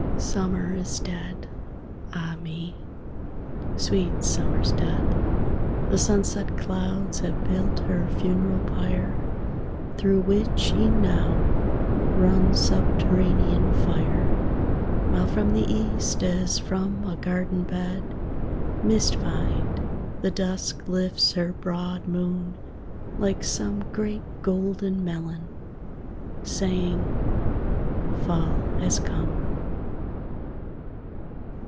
Summer is dead, ay me! sweet Summer's dead! The sunset clouds have built her funeral pyre, Through which, e'en now, runs subterranean fire: While from the East, as from a garden bed, Mist vined, the Dusk lifts her broad moon like some Great golden melon saying, "Fall has come."